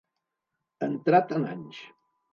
Entrat en anys.